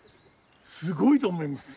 すごいと思います。